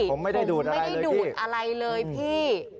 ผมไม่ได้ดูดอะไรเลยพี่